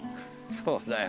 そうだよ。